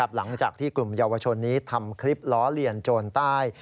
หลังจากที่กลุ่มเยาวชนนี้ทำคลิปล้อเลียนโจรใต้